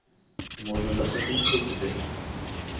موجودہ سکوت تو ٹوٹے۔